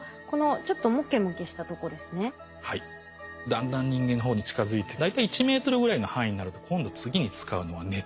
だんだん人間の方に近づいて大体１ｍぐらいの範囲になると今度次に使うのが熱。